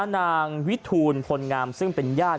นางวิทูลพลงามซึ่งเป็นญาติ